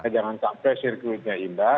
jangan sampai sirkuitnya indah